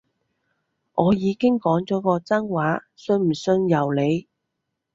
我已經講咗個真話，信唔信由你